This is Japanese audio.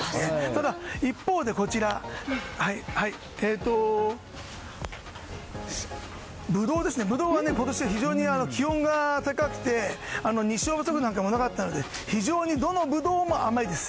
ただ、一方でブドウが今年は非常に気温が高くて日照不足もなかったので非常にどのブドウも甘いです。